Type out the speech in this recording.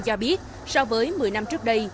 cho biết so với một mươi năm trước đây